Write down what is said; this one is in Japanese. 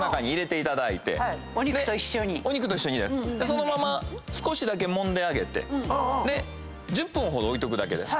そのまま少しだけもんであげて１０分ほど置いとくだけです。